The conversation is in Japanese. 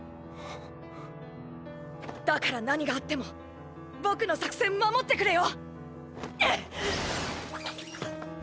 だから何があっても僕の作戦守ってくれよ